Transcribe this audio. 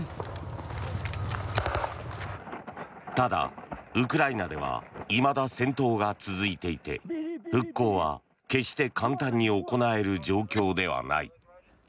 ただ、ウクライナではいまだ戦闘が続いていて復興は決して簡単に行える状況ではない。